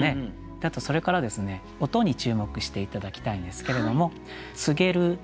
あとそれからですね音に注目して頂きたいんですけれども。